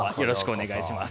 お願いします。